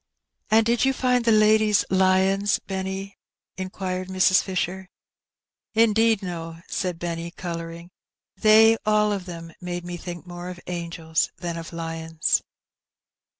''" And did you find the ladies lions, Benny ?*' inquired Mrs. Fisher. ''Indeed no,'' said Benny, colouring; "they all of them made me think more of angels than of lions."